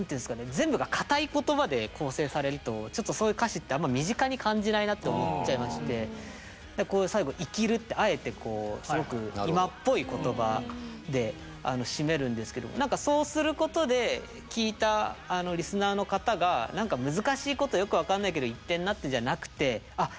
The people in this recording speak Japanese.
全部が硬い言葉で構成されるとちょっとそういう歌詞ってあんま身近に感じないなって思っちゃいましてこう最後「イキる」ってあえてすごく今っぽい言葉で締めるんですけどそうすることで聴いたリスナーの方が何か難しいことよく分かんないけど言ってんなってじゃなくてあっ